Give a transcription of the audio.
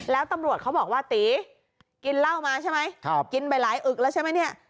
แล้วตำรวจเขาบอกว่าตีกินเหล้ามาใช่ไหมกินไปหลายอึกแล้วใช่ไหมเนี่ย